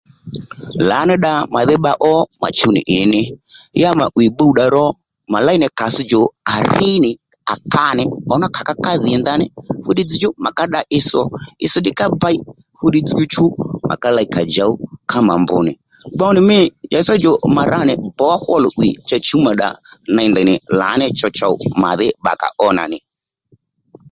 Lǎní dda màdhí bba ó mà chuw nì ì ní ni ya mà 'wìy bbuw ddà ro mà léy nì kàss djò à rínì à ka nì ǒmá kàká dhì ndaní fúddiy dzzdjú mà ká dda itsś ò itsś ká bey fúddiy dzzdjú chú mà ká ley à djǒw kámà mb nì gbow nì mî djǎ sâ djò mà ra nì bówá hol 'wì cha chǔwmà ddà ney cha ndèy ney chowchow màdhí bbakǎ ó nà nì